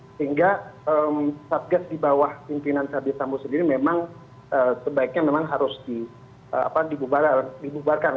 sehingga satgas di bawah pimpinan verdi sambo sendiri memang sebaiknya memang harus dibubarkan